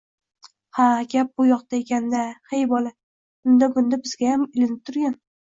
– Ha-a, gap bu yoqda ekan-da? Hey bola, unda-bunda bizgayam ilinib turgin